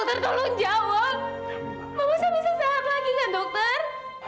dokter tolong jawab mama saya bisa sehat lagi kan dokter